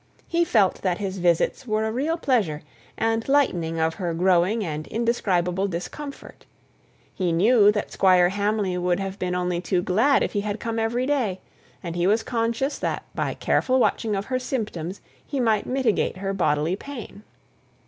He felt that his visits were a real pleasure and lightening of her growing and indescribable discomfort; he knew that Squire Hamley would have been only too glad if he had come every day; and he was conscious that by careful watching of her symptoms he might mitigate her bodily pain.